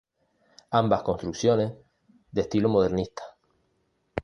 Ambas construcciones de estilo modernista.